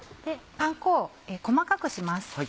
パン粉を細かくします。